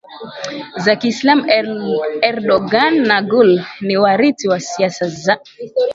za Kiislamu Erdogan na Gul ni warithi wa siasa za